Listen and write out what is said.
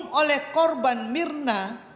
diminum oleh korban mirna